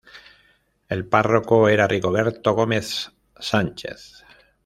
El párroco era Rigoberto Gómez Sánchez.